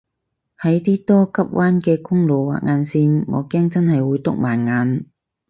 喺啲多急彎嘅公路畫眼線我驚真係會篤盲眼